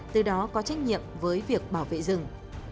từ đó có trách nhiệm với việc bảo vệ rừng